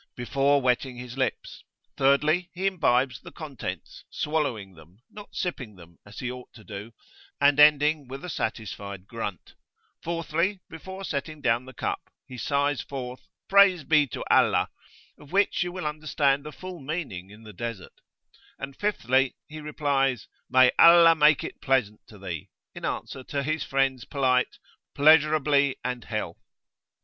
before wetting his lips; thirdly, he imbibes the contents, swallowing them, not sipping them as he ought to do, and ending with a satisfied grunt; fourthly, before setting down the cup, he sighs forth, "Praise be to Allah" of which you will understand the full meaning in the Desert; and, fifthly, he replies, "May Allah make it pleasant to thee!" in answer to his friend's polite "Pleasurably and health!"